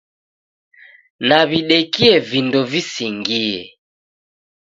Nawidekie vindo visingie